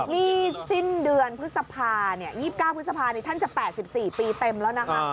นี่สิ้นเดือนพฤษภา๒๙พฤษภานี้ท่านจะ๘๔ปีเต็มแล้วนะคะ